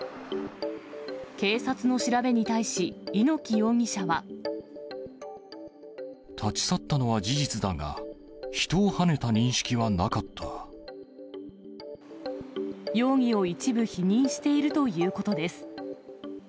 警察の調べに対し、立ち去ったのは事実だが、容疑を一部否認しているということです。